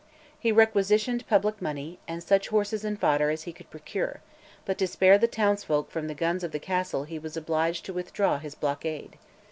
He "requisitioned" public money, and such horses and fodder as he could procure; but to spare the townsfolk from the guns of the castle he was obliged to withdraw his blockade.